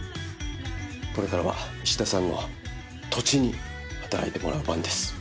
これからは石田さんの土地に働いてもらう番です。